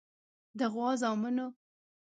د غوا زامنو.